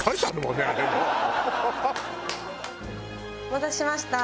お待たせしました。